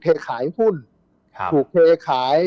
ขายหุ้นถูกเทขาย